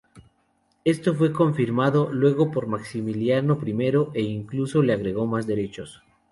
Esto fue confirmado luego por Maximiliano I e incluso le agregó más derechos.